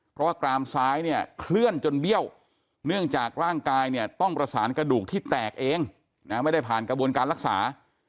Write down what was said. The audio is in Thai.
เพราะว่ากรามซ้ายเนี่ยเคลื่อนจนเบี้ยวเนื่องจากร่างกายเนี่ยต้องประสานกระดูกที่แตกเองนะไม่ได้ผ่านกระบวนการรักษา